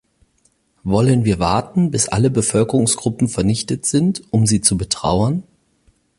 Wollen wir warten, bis alle Bevölkerungsgruppen vernichtet sind, um sie zu betrauern?